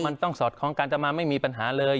มันต้องสอดคล้องการจะมาไม่มีปัญหาเลย